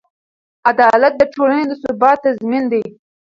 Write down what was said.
عدالت د ټولنې د ثبات تضمین دی.